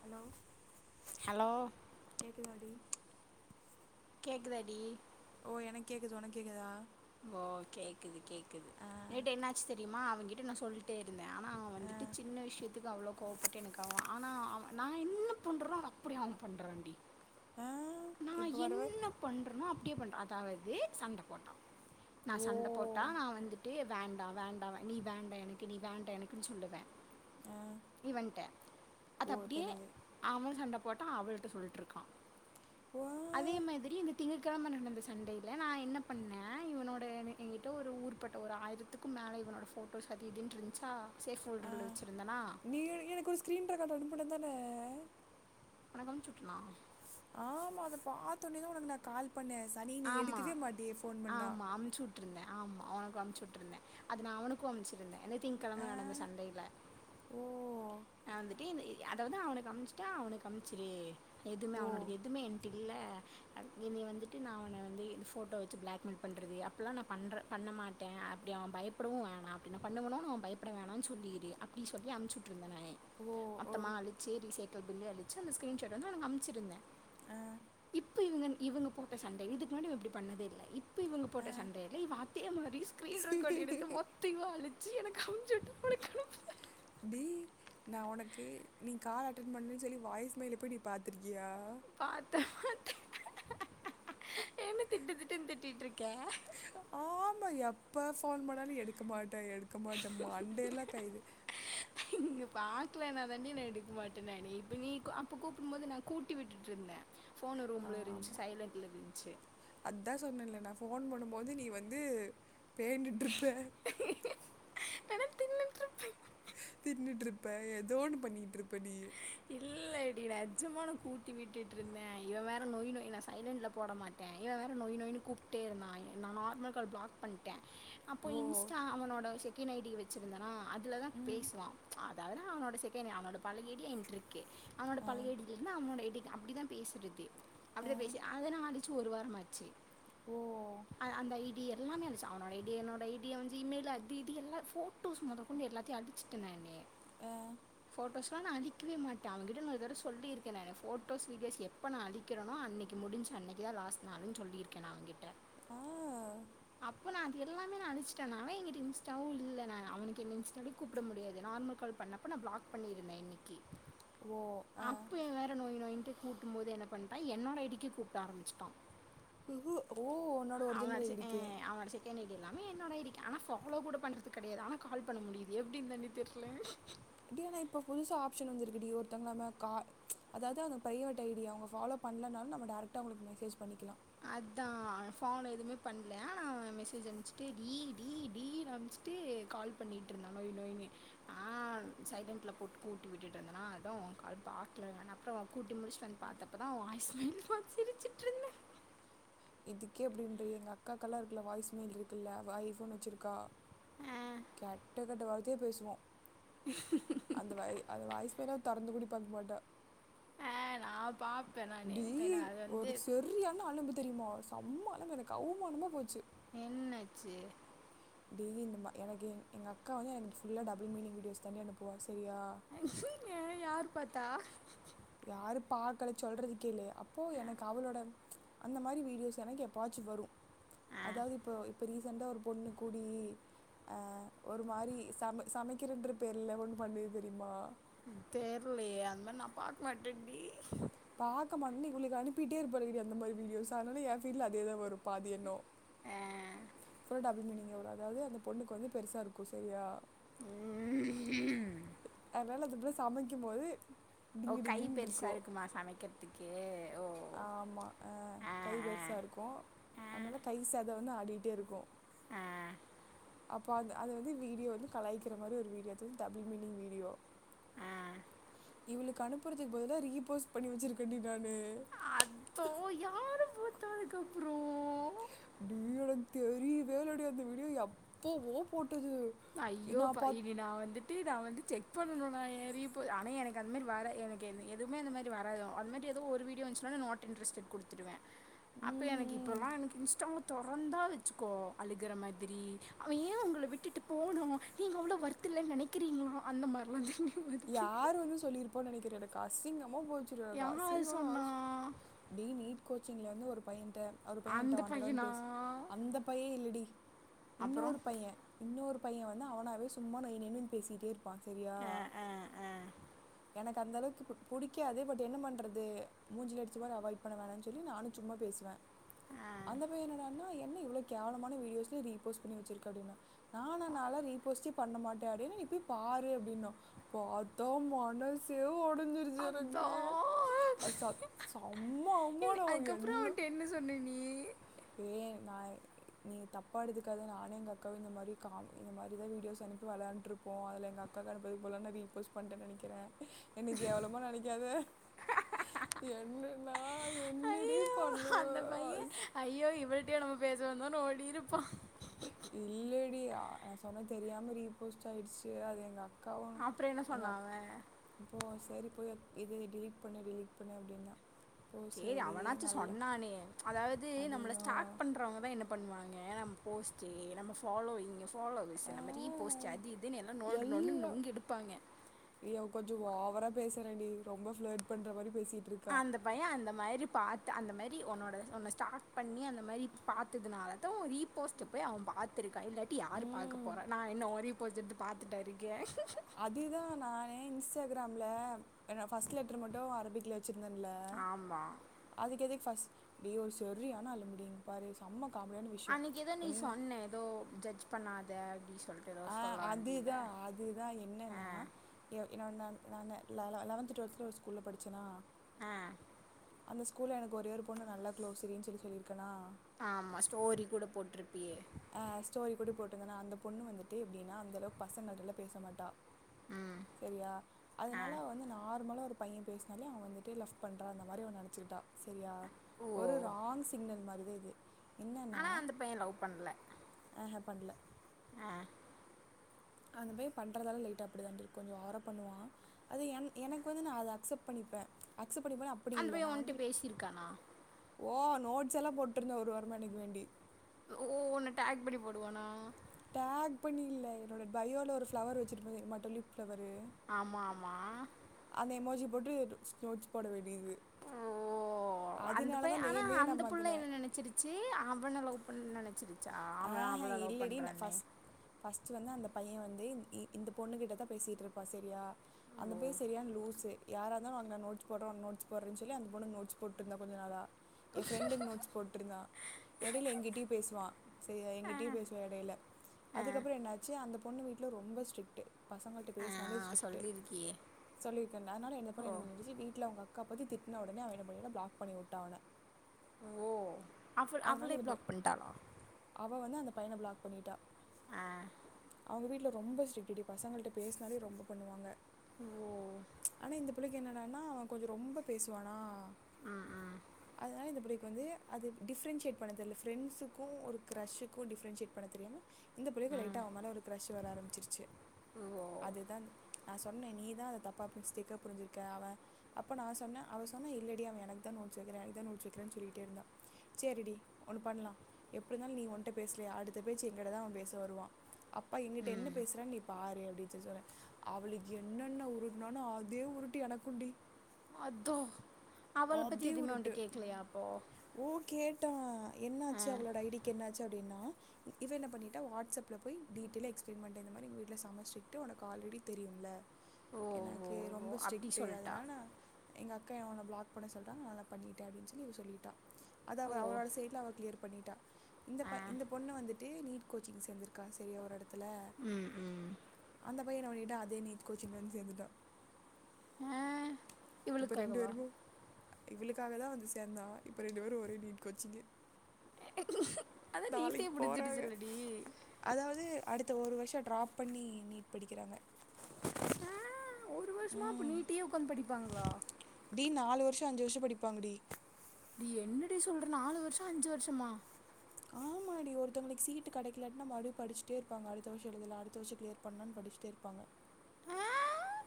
Hello hello கேக்குதாடி கேக்குதாடி ஓ எனக்கு கேக்குது உனக்கு கேக்குதா ஓ கேக்குது கேக்குது ஆ நைட்டு என்னாச்சு தெரியுமா அவன்கிட்ட நா சொல்லிட்டே இருந்தே ஆனா அவ ஆ வந்துட்டு சின்ன விஷயத்துக்கு அவ்ளோ கோவப்பட்டு எனக்கு அவே ஆனா அவ நா என்ன பண்றனோ அத அப்டியே அவே பண்றாண்டி ஆ நா இப்போ வரவ என்ன பண்றனோ அப்டியே பண்றா அதாவது சண்ட போட்டா நா ஓ சண்ட போட்டா நா வந்துட்டு வேண்டா வேண்டா நீ வேண்டா எனக்கு நீ வேண்டா எனக்குன்னு சொல்லுவே ஆ இவன்ட்ட அத ஓ அப்டியே தெரிஞ்சு அவே சண்ட போட்டா அவள்ட்ட சொல்ட்ருக்கா ஓ அதே மாதிரி இந்த திங்கக் கெழம நடந்த சண்டையில நா என்ன பண்ணே இவனோட என்கிட்ட ஒரு ஊர்பட்ட ஒரு ஆயிரத்துக்கு மேலே இவனோட ஃபோட்டோஸ் அது இதுனு இருந்துச்சா சேஃப் ஃபோல்டர்ல வச்சுருந்தனா நீயே எனக்கு ஒரு ஸ்க்ரீன் ரெக்கார்டு அனுப்பன தான ஒனக்கு அமுச்சுட்டனா ஆமா அத பாத்தோன்னயே தா உனக்கு நா கால் பண்ணே சனியனே எடுக்கவே மாட்டியே ஃபோன் பண்ணா விட்ருந்தே ஆமா ஒனுக்கு அமிச்சு விட்டுருந்தே அத நா அவனுக்கு அமுச்சுருந்தே ஏன்னா திங்க ஆ கெழம நடந்த சண்டைல ஓ நா வந்துட்டு இந்த இ அதாவது அவனுக்கு அம்ச்சுட்டு அவனுக்கு அம்ச்சுரு எதுமே ஓ அவனோடது எதுமே என் டில்ல அட் இனி வந்துட்டு நா அவன வந்து இந்த போட்டோ வச்சு பிளாக்மெயில் பண்றது அப்பில்லா நா பண்ற பண்ண மாட் டே அப்டி அவ பயப்படவு வேணா அப்பிடி நா பண்ணுவோணுனு அவ பயப்பட வேணானு சொல்லிரு அப்டி சொல்லி அம்ச்சுட்டுருந்தே நானு ஓ ஓ மொத்தமா அழிச்சு ரீசைக்கிள் பில்லு அழிச்சு அந்த ஸ்க்ரீன்ஷாட் வந்து அவனுக்கு நா அம்ச்சுருந்தே ஆ இப் இப்ப இவுங்கன் இவுங்க போட்ட சன்டே இதுக்கு முன்னாடி இவே இப்டி பண்ணதே இல்ல இப் இப்ப இவுங்க ஆ போட்ட சன்டேல இவ அதே மாரி ஸ்கரீன் ரெக்கார்ட் எடுத்து மொத் தியு அழிச்சு எனக்கு அம்ச்சுட்டுவுட்டு உனக்கு அனுப் டி நா ஒனக்கு நீ கால் அட்டென் பண்ணலணு சொல்லி வாய்ஸ் மேல போய் நீ பாத்துருக்கியா பாத்தே என்ன திட்டுத்திட்டுன்னு திட்டிட்டு ருக்கே ஆமா எப்ப ஃபோன் பண்ணாலு எடுக்க மாட்டே எடுக்க மாட்டேம்பா மண்டேல்லா கைது [unintelligible] இங்கே பாக்கலே நா தாண்டி நா எடுக்க மாட்டே நானு இப்ப நீ அப்போ கூப்டு போது நா கூட்டி விட்டுட்டு ருந்தே ஃபோனு ரூம்ல இருந்துச்சு சைலண்ட்ல இருந்துச்சி அதா சொன்னேன்ல நா ஃபோன் பண்ணுபோது நீ வந்து பேண்ட்டு இருப்ப இல்லன தின்னுட்டு இருப்பே தின்னுட்டு இருப்ப எதோ ஒன்னு பண்ணிட்டு இருப்ப நீ இல்லடி நெஜமா நா கூட்டி விட்டுட்டு ருந்தே இவ வேற நொய் நொய் நா சைலண்டல போட மாட் டே இவே வேற நொய் நொய் ன்னு கூப்ட்டே இருந்தா எ நா நார்மல் கால் பிளாக் பண்ணிட் டே அப்போ ஓ இன்ஸ்டா அவனோட செகண்ட் ஐ டி வச்சிருந்தனா அதுல தா ம் பேசுவா அதனா அவனோட செகண்ட் ஐ டி அவனோட பழய ஐ டி ய என் ட்டிருக்கே அவனோட ஆ பழய ஐ டி இல்லனா அவனோட ஐ டி அப்டித்தா பேசுறது ஆ அப்டிதா பேசி அதனா அடிச் சு ஒரு வாரமாச்சு ஓ ஆ அந்த ஐ டி டி எல்லாமே அழிச்சு அவனோட ஐ டி என்னோட ஐ டி ய அவே ஜீ மெயில் அது இது எல்லா போட்டோஸ் மொத கொண்டு எல்லாத்தையு அழிச்சிட்டே நானே அ ஃபஸ்ட்டு ஒன் அழி இருக்கவே மாட்டே அவேங்கிட்ட நா ஒரு தடவ சொல்லிருக்கே நானு போட்டோஸ் வீடியோஸ் எப்ப நா எப்ப நா அழிக்கிறேனோ அன்னைக்கி முடிஞ்சு அன்னைக்கி தா லாஸ்ட் னாலு சொல்லிருக்கே நா அவகிட்ட ஆ அப் இப்ப நா அங் எல்லாமே நா அழிச்சிட்டே நா அதா என்கிட்ட இன்ஸாடவு இல்ல நானு அவனுக்கு என்ன இன்ஸ்டாலயு கூப்ட முடியாது நார்மல் கால் பண்ணப் இப்ப நா பிளாக் பண்ணிருந்தே இன்னைக்கி ஓ ஆ அப்பயு வேற நொய் நொயின்ட்டு கூட்டு போது என்ன பண்ட்டா என்னோட ஐ டி க்கு கூப்ட ஆரம்பிச்சுட்டா உஹு, ஓ உன்னோட அவன ஒரிஜினல் அடிச்சு ஹ ஐடிக்கு அவன அடிச்ச எனக் எல்லாமே என்னோட ஐ டி க்கு ஆனா ஃபாலோ கூட பண்றது கெடையாது ஆனா கால் பண்ண முடியுது எப்டின்னு தானே தெர்ல டி ஆனா இப்ப புதுசா ஆப்ஷன் வந்துருக்குடி ஒருத்தவங்கால நம்ம கா அதாவது அவுங்க பிரைவேட் ஐ டி ய அவுங்க ஃபாலோ பண்ணலனாலு நம்ம டேரெக்டாக அவுங்களுக்கு மெசேஜ் பண்ணிக்கலா அதா அவ ஃபோனு எதுமே பண்ணல ஆனா அவே மெசேஜ் அனுப்புச்சுட்டு டீ டீ டீ னு அனுப்புச்சு ட்டு கால் பண்ணிட்டு ருந்தா நொய் நொய்னு நா சைலண்ட்ல போட்டு கூட்டி விட்டுட்டு ருந்தேன்னா அதா ஓ கால் பாக்கலங்க அப்பறோ கூட்டி முடிச்சுட்டு வந்து பாத்தே அப்பதா ஓ வாய்ஸ் மெயில் பாத்து சிரிச்சுட்டு ருந்தே இதுக்கே அப்படின்றேயே எங்க அக்காக்கெல்லா இருக்குல வாய்ஸ் மெயில் இருக்குல்ல அவ ஐஃபோன் வச்சிருக்கா ஆ, கெட்ட கெட்ட வார்த்தையே பேசுவோ அந்த வை அந்த வாய்ஸ்சு மெயில தொறந்து கூடி பாக்க மாட்டா ஹ நா பா டி ஒரு செரியான அலும்பு தெரியுமா செம்ம அலம்பு எனக்கு அவுமானமா போச்சு என்னாச்சு டெய்லி இந்த மா எனக்கு எ எங்க அக்கா வந்து எனக்கு ஃபுல்லா டபுள் மினிங் வீடியோஸ் தாண்டி அனுப்புவா சரியா யாரு பாத்தா யாரு பார்க்கல சொல்றதுக்கே இல்லையே அப்போ எனக்கு அவலோட அந்த மாதிரி வீடியோஸ் எனக்கு எப்பாச்சு வரு ஆ அதாவது இப்ப இப்ப ரீசண்ட்டா ஒரு பொண்ணு கூடி ஆ ஒரு மாறி சமை சமைக்கிறன்ற பேர்ல ஒன்னு பண்ணது தெரியுமா தெரிலயே அந்த மாதிரி நா பாக்க மாட்டேன்டி பார்க்க மாட்டேன்னு இவளுக அனுப்பிட்டே இருப்பாலுங்கடி அந்த மாதிரி வீடியோஸ் அதனால ஏ ஃபீல்டுல்ல அதே தா வரும் பாதி என்னு அ பூரா டபுள் மீனிங்கே வரு அதாவது அந்த பொண்ணுக்கு வந்து பெருசாக இருக்கு சரியா ம் ம் அதனால அந்த புள்ள சமைக்கு போது அவ டிங்கு கை டிங்குன்னு பெருசா இருக்கும் இருக்குமா சமைக்கிறதுக்கு ஓ ஆமா அ ஆ கை ஆ பெருசாக இருக்கு அதனால கை சத வந்து ஆடிகிட்டே இருக்கு அ அப்போ அந்த அது வந்து வீடியோ வந்து கலங்கிற மாதிரி ஒரு வீடியோ அது வந்து டபுள் மினிங் வீடியோ ஆ இவுளுக்கு அனுப்பறதுக்கு பதிலா ரீபோஸ் பண்ணி வச்சுருக்கேன் டி நானு அத்தோ யார் பார்த்தா அதுக்கப்றோ டி எனக்கு தெரியவே இல்லடி அந்த வீடியோ எப்போவோ போட்டது ஐயோ நான் பைவ் பாத் இனி நா வந்து டி நா வந்து செக் பண்ணணு நாயே ரீப்போ ஆனா எனக்கு அந்த மாதிரி வரா எனக்கு என எதுமே அந்த மாதிரி வரா அந்த மாதிரி எதும் ஒரு வீட் டியோ வந்துச்சுனாலு நாட் இன்டரெஸ்டட் குடுத்துடுவே அப்ப எனக்கு ம்ஹ்ம். அப்பறமா எனக்கு இன்ஸ்டாவ தொறந்தா வச்சுக்கோ அழுகிற மாதிரி அவன் ஏ உங்கள விட்டுட்டு போனு நீங்க அவ்ளோ ஒர்த்து இல்லன்னு நினைக்கிறீங்களோ அந்த மாறிலா நீங்க யாரு வந்து சொல்லிருப்போன்னு நினைக்கிறே எனக்கு அசிங்கமா போச்சுரு எனக்கு யாரு அசிங்கோனா சொன்னா அப்டி நீட் கோச்சிங்கில இருந்து ஒரு பையன்ட்ட அவரு பைய ஏன்ட்ட அந்த வாண்டடா வந்து பையனா பேச அந்த பைய இல்லடி அப்புறோ இன்னொரு பைய இன்னொரு பைய வந்து அவனாவே சும்மா நைநைனு பேசிட்டே இருப்பா சரியா அ அ எனக்கு அந்த அளவுக்கு புடிக்காது பட் என்ன பண்றது மூஞ்சுல அடிச்ச மாதிரி அவாய்ட் பண்ண வேணான்னு சொல்லி நானு சும்மா பேசுவே ஆ அந்த பைய என்னடான்னா என்ன இவ்ளோ கேவலமான வீடியோஸ்ஸ ரீபோஸ்ட் பண்ணி வச்சிருக்க அப்டின்னா நா லா நா லா ரீபோஸ்ட்டே பண்ண மாட்டே அப்டின்னு நீ போய் பாரு அப்படின்னா பார்த்தா ம மனசே ஓடஞ்சிரு அதா சிருக்கு ச செம்ம அவ்மானோ அதுக்கப்புறோ என்ன அவன்ட்ட என்ன சொன்ன நீ ஏ நாய் நீங்க தப்பா எடுத்துக்காத நானே எங்க அக்காவு இந்த மாதிரி கா இந்த மாதிரிதா வீடியோஸ் அனுப்பி விளையாண்ட்டு இருப்போ அதுல எங் அக் அக்கா தா அனுப்புது போலன்ட்டு ரீபோஸ் பண்ட்டேன்னு நெனக்கிறே என்ன கேவலமா நினைக்காத என்ன நாய் ஐயோ அந்த பைய ஐயோ இவள்ட்டயா நம்ம பேச வந்தோன்னு ஓடிருப்பா இல்லடி நா சொன்ன தெரியாம ரீப் போஸ்ட் ஆயிடுச்சு அது எங்க அக் அக்காவும் அப்புறோ என்ன எங் சொன்னா அக் அவ போ சரி போய் அது இதை டெலிட் பண்ணு டெலிட் பண்ணு அப்டின்னா சேரி அவனாச்சு சொன்னானே அதாவது நம்மள ஸ்டார்ட் அதுதான் பண்ணுறவங்க தா என்ன பண்ணுவாங்க நம்ம போஸ்ட்டு நம்ம ஃபாலோயிங்கு ஃபாலோ ஆ, நம்ம ரீ போஸ்ட்டு அது இதுன்னு எல்லா நோன்டு நோன்டுனு நொங்கு எடுப்பாங்க ஐயோ அவ கொஞ்ச ஓவரா பேசுறேண்டி ரொம்ப ஃப்ளட் பண்ற மாரி பேசிட்டு இருக்கா பைய அந்த மாரி பாத்து அந்த மாரி உன்னோட உன்ன ஸ்டார்ட் பண்ணி அந்த மாரி பாத்ததுனால தா உன்ன ரீபோஸ்ட் ட்டு போய் அவன் பாத்துருக்கான் இல்லாட்டி யார் பாக்க ம் போறா நான் என்ன ஓ ரிப்போர்ட எடுத்து பாத்துட்டா இருக்கே அதுதா நா என் இன்ஸ்டாகிராம்ல ஃபர்ஸ்ட் லெட்டர் மட்டு அரபிக்ல வெச்சிருந்தன்ல ஆமா அதுக்கு எதுக்கு ஃபஸ்ட் ஏ ஒரு சரியான ஆளுடி இப்ப பாரு செம்ம காமெடியான விஷயம் அன்னைக்கு எதோ நீ என்ன சொன்ன எதோ ஜட்ஜ் பண்ணாத அப்டி சொல் அ அதுதா அதுதா ஆ என்னன்னா யோ நா நா நான் ல லவன்த்து டுவல்த்தில ஒரு ஸ்கூல்ல படிச்சேன்னா ஆ அந்த ஸ்கூல்ல எனக்கு ஒரே ஒரு பொண்ணு நல்லா க்ளோஸ்ன்னு சொல்லி சொல்லிருக்கேனா ஆமா ஸ்டோரி கூட போட்டிருப்பியே ஆ ஸ்டோரி கூட போட்ருந்தன்னா அந்த பொண்ணு வந்துட்டு எப்படின்னா அந்த அளவுக்கு பசங்கள்ட்டலாம் பேச மாட்டா ம் செரியா ஆ அதனால அவ வந்து நார்மலா ஒரு பைய பேச னாலே அவன் வந்துட்டு லவ் பண்றான் அந்த மாரி அவ நினச்சிட்டா சரியா ஓ ஒரு ராங் சிக்னல் மாரிதா இது என்னன்னா அப்பைய லவ் பண்ல ஆஹ பண்ல ஆ அந்த மாரி பண்றதால [inaudible] இருக்கும் கொஞ்ச ஓவர பண்ணுவா அது எனக் எனக்கு வந்து நா அத அக்சப்ட் பண்ணிப்பே அக்சப்ட் பண்ணிப்பேனா அப்படி அந்த இல்ல பைய நான் உன்ட்ட வந்து பேசிருக்கானா ஓ நோட்ஸ் எல்லா போட்டிருந்தே ஒரு [unintelligible] வேண்டி ஓ உன்ன டேக் பண்ணி போடுவானா டேக் பண்ணி இல்ல என்னோட பயோவில ஒரு ஃப்ளவர் வச்சுருப்பேல மட்டலிப் ஃப்ளவர்ரு ஆமா ஆமா அந்த எமோஜி போட்டு ஸ் நோட்ஸ் போட வேண்டியது ஓ அந்த அதனால பைய தான் ஆனா நேமையே அந்த நான் புள்ள மாற்றினேன் என்ன நினைச்சிருச் ச்சு அவன லவ் பண்ண நினைச்சிருச்சா அவ அவள லவ் பண்றானு ஃபர்ஸ்ட்டு வந்து அந்த பைய வந்து இ இந்த பொண்ணு கிட்ட தா பேசிகிட்டு இருப்பான் சரியா அந்த ஓ பய சரியான லூஸு யார இருந்தாலு அங்க நோட்ஸ் போட்றே நோட்ஸ் போட்றேன் சொல்லி அந்த பொண்ணுக்கு நோட்ஸ் போட்டிருந்தா கொஞ்ச நாளா என் ஃப்ரெண்டுக்கு நோட்ஸ் போட்டிருந்தா இடையில எங்கிட்டயு பேசுவான் செரியா ஆ எங்கிட்டயும் பேசுவா இடையில ஆ அதுக்கப்புற என்னாச்சு அந்த பொண்ணு வீட்ல ரொம்ப ஸ்ட்ரிக்ட்டு பசங்கள்ட்ட ஆ பேசினாலே ஸ்ட்ரிக்ட்டு சொல்லிருக்கியே சொல்லியிருக்கேன்ல அதனால இந்த பொண்ணு ஓ என்ன பண்ணிச்சு வீட்ல அவுங்க அக் காப்பத்தி திட்டுன உடனே அவ என்ன பண்ணிட்டா பிளாக் பண்ணி உட்டா அவன ஓ அவள் அவளே அதனால இந்த பை பிளாக் பண்ணிட்டாளா அவ வந்து அந்த பையன பிளாக் பண்ணிட்டா ஆ அவுங்க வீட்ல ரொம்ப ஸ்ரிக்ட்டு டி பசங்கள்ட்ட பேசினாலே ரொம்ப பண்ணுவாங்க ஓ ஆனா இந்த பிள்ளைக்கு என்னடானா அவன் கொஞ்ச ரொம்ப பேசுவானா அ அ அதனால இந்த பிள்ளைக்கு வந்து அது டிஃப்ரன்ஷியேட் பண்ண தெரியல ஃப்ரெண்ட்ஸு க்கு ஒரு கிரஷுக்கு டிஃப்ரன்ஷியேட் பண்ண தெரியாம இந்த பிள்ளைக்கு லைட்ட அவன் மேல ஒரு கிரஷ் வர ஆரம்பிச்சிருச்சு ஓ அதுதா நா சொன்னே நீதா அத தப்பா மிஸ்டேக்கா புரிஞ்சிருக்க அவன் அப்போ நா சொன்ன அவ சொன்னா இல்லடி அவ எனக்குதா நோட்சு வக்கிறா எனக்கு தா நோட்சு வக்கிறானு சொல்லிகிட்டே இருந்தா சேரி டி ஒன்னு பண்லா எப்டி இருந்தாலு நீ ஒன்ட்ட பேசலயா அடுத்த பேச்சு எங்கிட்ட தா அவ பேச வருவா அப்பா என்கிட்ட என்ன ம் பேசுறான்னு நீ பாரு அப்டின் சொல்லி சொன்ன அவளுக்கு என்னென்ன உருட்னானோ அதே உருட்டு எனக்குண்டி அதா அவளப் பத்தி அதே எதுவுமே உன்ட்ட உருட்டு கேக்கலயா அப்போ ஓ கேட்டா என்ன ஆ ஆச்சு அவளோட ஐ டிக்கு என்ன ஆச்சு அப்டின்னா இவ என்ன பண்ணிட்டா வாட்ஸ்அப்ல போய் டீடெயில்லா எக்ஸ்ப்லைன் பண்ட்டா இந்த மாரி எங்க வீட்ல செம ஸ்ட்ரிக்ட்டு உனக்கு ஆல்ரெடி தெரியும்ல ஓ ஓ எனக்கு ஓ ரொம்ப அப்டி ஸ்ட்ரிக்ட்டு சொல்ட்டா அதனால நா எங்க அக்கா ஏ உன்ன பிளாக் க் பண்ண சொல்டாங்க அதனால பண்ணிட்ட அப்டின் சொல்லி இவ சொல்லிட்டா அத அவ ஓ அவளோட சைட்ல அவ க்ளியர் பண்ணிட்டா இந்த ஆ ப இந்த பொண்ண வந்துட்டு நீட் கோச்சிங் சேந்துருக்கா செரியா ஒரு எடத்துல ம் ம் அந்த பைய என்ன பண்ணிட்டா அதே நீ்ட் கோச்சிங்லே வந்து சேந்துட்டா அ இப்ப ரெண்டு பேருமு இவுளுக்காக தா வந்து சேந்தா இப்ப ரெண்டு பேரு ஒரே நீட் கோச்சிங்கு அதான் நீட்டே நாளைக்கி போறாங்க பிடிச்சிருச்சுல்லடி அதாவ்து அடுத்த ஒரு வருஷோ ட்ராப் பண்ணி நீட் படிக்கிறாங்க ஆ, ஒரு வருஷமா அப்ப ம் நீட்டயே உக்காந்து படிப்பாங்ளா டி நாலு வருஷோ அஞ்சு வருஷோ படிப்பாங்க டி டி என்னடி சொல்ற நாலு வருஷோ அஞ்சு வருஷமா ஒருத்தவுங்களுக்கு சீட்டு கடைக்கிலன்டா மறுபடியு படிச்சுட்டே இருப்பாங்க அடுத்த வருஷோ எழுதலா அடுத்த வருஷோ கிளியர் பண்லான்னு படிச்சுட்டே இருப்பாங்க அ ஆ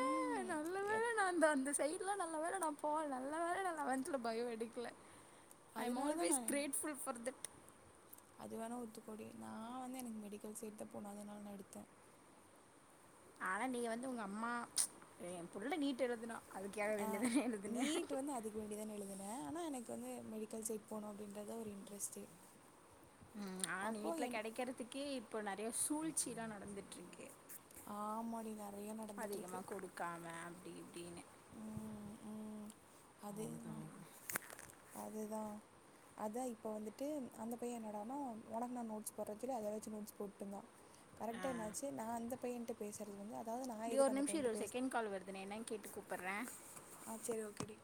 ம் எத் நா அந்த அந்த சைட்லா நல்ல வேல நா போல நல்ல வேல நா லெவந்த்ல பயோ எடுக்ல ஐ அம் அதனால தான் ஆல்வேஸ் நான் கிரேட்ஃபுல் ஃபார் தட் அது வேணா ஒத்துக்கோடி நா வந்து எனக்கு மெடிக்கல் சைட் தா போனு அதனால நா எடுத்த ஆனா நீ வந்து உங்க அம்மா எ புள்ள நீட்டு எழுதுனா அதுக்காக வேண்டி தா எழுதுன வேண்டிதா எழுதுன ஆனா எனக்கு வந்து மெடிக்கல் சைட் போனோ அப்டின்றதா ஒரு இன்டரஸ்ட்டே ம் ஆனா நீட்ல கெடைக்கறத்துக்கே இப்போ நறைய சூழ்ச்சில்லா நடந்துட்டுருக்கு ஆமா டி நறைய நடந்துட்ருக்கு அதிகமாக கொடுக்காம அப்டி இப்டின்னு ம் ம் அதே தா அதுதா அதா இப்போ வந்துட்டு அந்த பைய என்னடானா உனக்கு நா நோட்ஸ் போட்ற சொல்லி அத வெச்சு நோட்ஸ் போட்டுந்தா ஆ கரெக்ட்டா என்னாச்சு நா அந்த பையன்ட்ட பேசறது வந்து அதாவ்து நா டி ஒரு எதுக்கு அந்த நிமிஷோ இரு பையன்ட்ட ஒரு பேச செகண்ட் கால் வருது நா என்னன் கேட்டு கூப்பற அ செரி ஓகே டி